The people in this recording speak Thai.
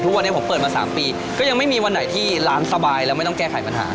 ทุกวันนี้ผมเปิดมา๓ปีก็ยังไม่มีวันไหนที่ร้านสบายแล้วไม่ต้องแก้ไขปัญหา